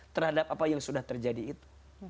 terhadap apa yang sudah terjadi itu